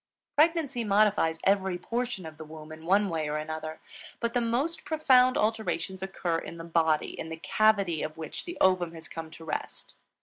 Pregnancy modifies every portion of the womb in one way or another; but the most profound alterations occur in the body, in the cavity of which the ovum has come to rest.